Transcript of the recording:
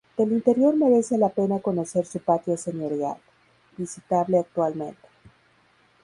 Del interior merece la pena conocer su patio señorial, visitable actualmente.